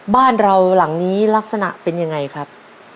บ้านหลังนี้ลักษณะเป็นยังไงครับ